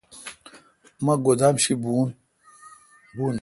مہ گودام شی بھون۔